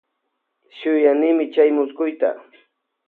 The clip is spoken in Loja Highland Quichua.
Shuyanimi chay muskuyta.